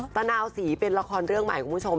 ตะนาวศรีเป็นละครเรื่องใหม่คุณผู้ชม